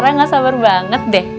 saya gak sabar banget deh